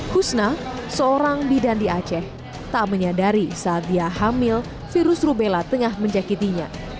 husna seorang bidan di aceh tak menyadari saat dia hamil virus rubella tengah menjakitinya